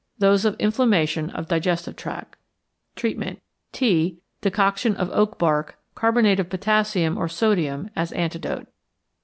_ Those of inflammation of digestive tract. Treatment. Tea, decoction of oak bark, carbonate of potassium or sodium as antidote.